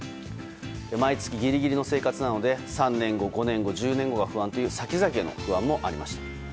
毎月ギリギリの生活なので３年後、５年後１０年後が不安という先々への不安もありました。